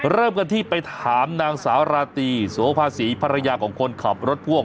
เริ่มกันที่ไปถามนางสาวราตรีโสภาษีภรรยาของคนขับรถพ่วง